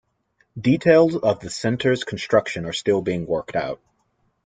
Details of the Center's construction are still being worked out.